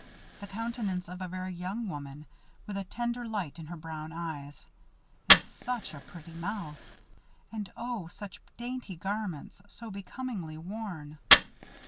The countenance of a very young woman, with a tender light in her brown eyes. And such a pretty mouth. And oh! such dainty garments, so becomingly worn.